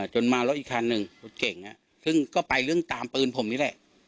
จนมารถอีกคันหนึ่งรถเก่งซึ่งก็ไปเรื่องตามปืนผมนี่แหละ